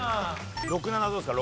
６７どうですか？